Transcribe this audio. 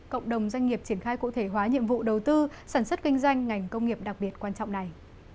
cộng đồng doanh nghiệp triển khai cụ thể hóa nhiệm vụ đầu tư sản xuất kinh doanh ngành công nghiệp đặc biệt quan trọng này